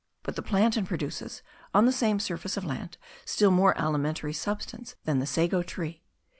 But the plantain produces, on the same surface of land, still more alimentary substance than the sago tree.)